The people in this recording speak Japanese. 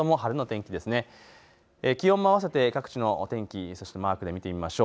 気温も合わせて各地の天気マークで見てみましょう。